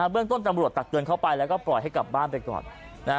เรื่องต้นตำรวจตักเตือนเข้าไปแล้วก็ปล่อยให้กลับบ้านไปก่อน